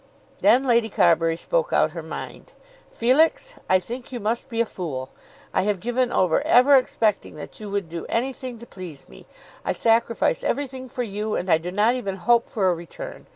Then Lady Carbury spoke out her mind. "Felix, I think you must be a fool. I have given over ever expecting that you would do anything to please me. I sacrifice everything for you and I do not even hope for a return.